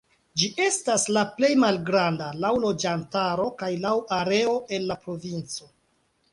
Ĝi estas la plej malgranda laŭ loĝantaro kaj laŭ areo el la provinco.